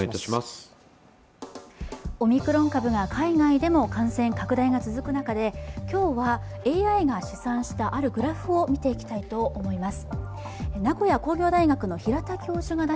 オミクロン株が海外でも感染拡大が続く中で今日はＡＩが試算したあるグラフを見ていきたいと思います。